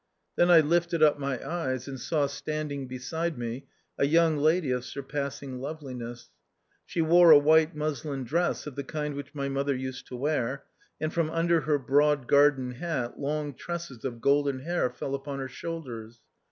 Then I lifted up my eyes and saw stand ing beside me a young lady of surpassing loveliness. She wore a white muslin dress of the kind which my mother used to wear ; and from under her broad garden hat, long tresses of golden hair fell upon her shoulders.